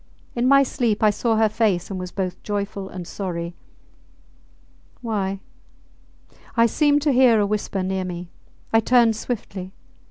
In my sleep I saw her face, and was both joyful and sorry .... Why? ... I seemed to hear a whisper near me. I turned swiftly.